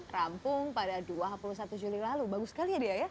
rampung pada dua puluh satu juli lalu bagus sekali ya dia ya